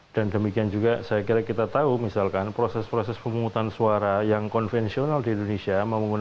dan demikian juga saya kira kita tahu misalkan proses proses pemungutan suara yang konvensional di indonesia